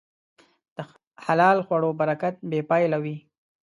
د حلال خوړو برکت بېپایله وي.